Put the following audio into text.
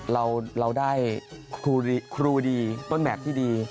เราได้ครูดีต้นแบบที่ดี